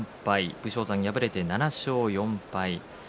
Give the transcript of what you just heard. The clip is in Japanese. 武将山、敗れて７勝４敗。